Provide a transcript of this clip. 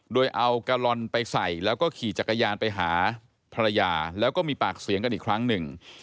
โดยเอากะลอนไปใส่แล้วก็ขี่จักรยานไปหาภรรยาแล้วก็มีปากเสียงกันอีกครั้งหนึ่ง